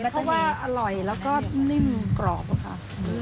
เพราะว่าอร่อยแล้วก็นิ่มกรอบค่ะ